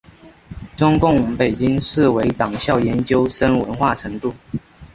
中共北京市委党校研究生文化程度。